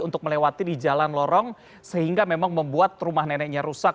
untuk melewati di jalan lorong sehingga memang membuat rumah neneknya rusak